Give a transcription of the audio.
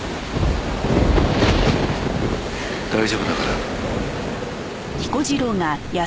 大丈夫だから。